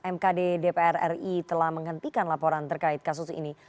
mkd dpr ri telah menghentikan laporan terkait kasus ini